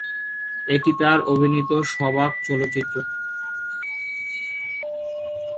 এটি তার অভিনীত সবাক চলচ্চিত্র।